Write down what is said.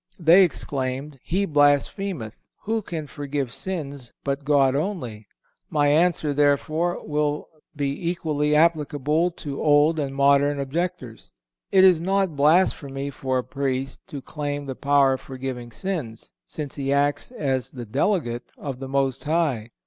They exclaimed: "He blasphemeth! who can forgive sins but God only?"(461) My answer, therefore, will be equally applicable to old and modern objectors. It is not blasphemy for a Priest to claim the power of forgiving sins, since he acts as the delegate of the Most High.